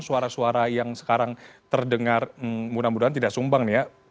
suara suara yang sekarang terdengar mudah mudahan tidak sumbang nih ya